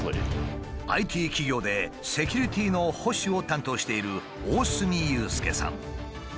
ＩＴ企業でセキュリティーの保守を担当している大角祐介さん。